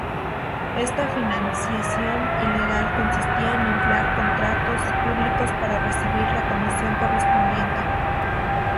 Esta financiación ilegal consistía en inflar contratos públicos para recibir la comisión correspondiente.